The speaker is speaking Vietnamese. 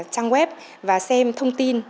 trang web và xem thông tin